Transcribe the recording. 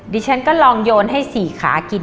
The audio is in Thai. ดิฉันก็ลองโยนให้๔ขากิน